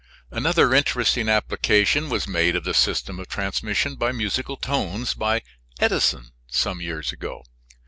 Another interesting application was made of the system of transmission by musical tones by Edison, some years ago.